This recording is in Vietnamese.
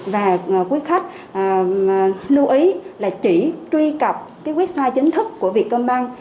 và quý khách lưu ý là chỉ truy cập website chính thức của việt quang banh